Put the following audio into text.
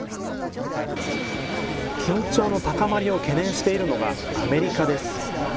緊張の高まりを懸念しているのが、アメリカです。